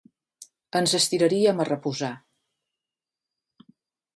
Ens estiraríem a reposar.